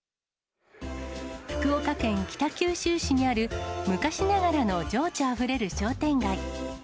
福岡県北九州市にある、昔ながらの情緒あふれる商店街。